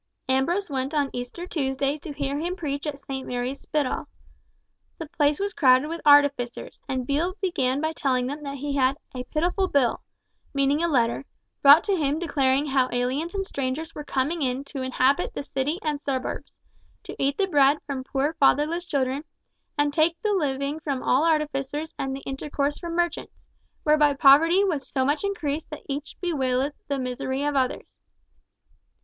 Ambrose went on Easter Tuesday to hear him preach at St. Mary's Spitall. The place was crowded with artificers, and Beale began by telling them that he had "a pitiful bill," meaning a letter, brought to him declaring how aliens and strangers were coming in to inhabit the City and suburbs, to eat the bread from poor fatherless children, and take the living from all artificers and the intercourse from merchants, whereby poverty was so much increased that each bewaileth the misery of others.